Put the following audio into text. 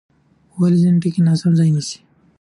ولې ځینې ټکي ناسم ځای نیسي؟